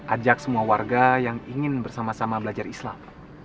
ajak semua warga yang ingin bersama sama belajar islam